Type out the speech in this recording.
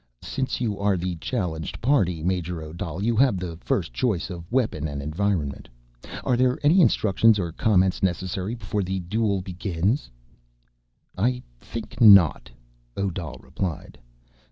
"Since you are the challenged party, Major Odal, you have the first choice of weapon and environment. Are there any instructions or comments necessary before the duel begins?" "I think not," Odal replied.